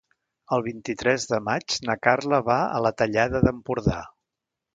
El vint-i-tres de maig na Carla va a la Tallada d'Empordà.